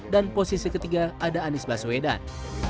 dan posisi ketiga ada anies baswedan